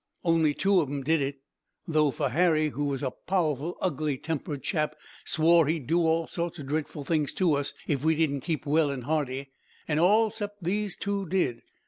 "Only two of 'em did it though, for Harry, who was a powerful, ugly tempered chap, swore he'd do all sorts o' dreadful things to us if we didn't keep well and hearty, an' all 'cept these two did.